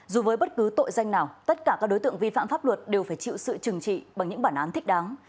dù với bất cứ tội danh nào tất cả các đối tượng vi phạm pháp luật đều phải chịu sự trừng trị bằng những bản án thích đáng